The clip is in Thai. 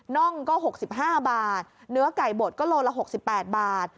่องก็๖๕บาทเนื้อไก่บดก็โลละ๖๘บาท